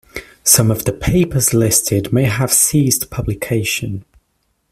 Some of the papers listed may have ceased publication.